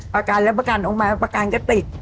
ประกันได้ประกันตรงมีประกันกันติด